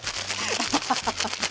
アハハハハ！